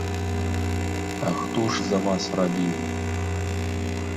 А хто ж за вас рабіў?